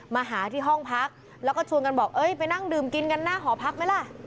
มาหาที่ห้องพักแล้วก็ชวนกันบอกเอ้ยไปนั่งดื่มกินกันหน้าหอพักไหมล่ะ